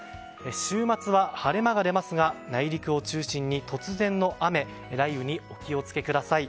週末は、晴れ間が出ますが内陸を中心に突然の雨、雷雨にお気を付けください。